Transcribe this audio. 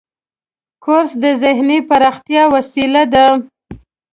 کورس د ذهني پراختیا وسیله ده.